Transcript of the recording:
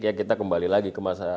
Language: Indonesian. ya kita kembali lagi ke masalah